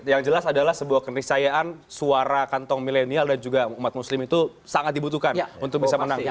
yang jelas adalah sebuah keniscayaan suara kantong milenial dan juga umat muslim itu sangat dibutuhkan untuk bisa menang